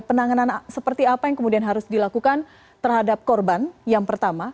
penanganan seperti apa yang kemudian harus dilakukan terhadap korban yang pertama